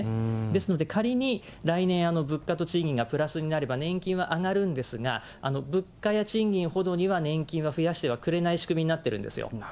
ですので仮に、来年、物価と賃金がプラスになれば年金は上がるんですが、物価や賃金ほどには年金は増やしてはくれない仕組みになってるんですよ。